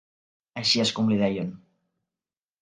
Així és com li deien.